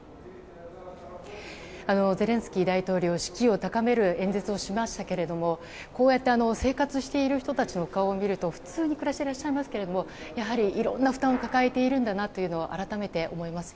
ゼレンスキー大統領は士気を高める演説をしましたがこうやって生活している人たちの顔を見ると普通に暮らしていらっしゃいますけどやはりいろんな負担を抱えているんだなというのを改めて思います。